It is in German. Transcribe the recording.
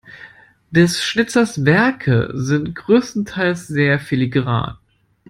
Des Schnitzers Werke sind größtenteils sehr filigran.